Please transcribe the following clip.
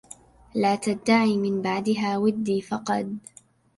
لا تدعي من بعدها ودي فقد